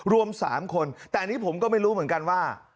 รวม๓คนแต่อันนี้ผมก็ไม่รู้เหมือนกันว่า